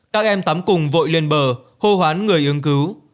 các em tắm cùng vội lên bờ hô hoán người ứng cứu